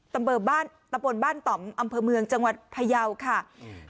อำเภอบ้านตำบลบ้านต่อมอำเภอเมืองจังหวัดพยาวค่ะอืม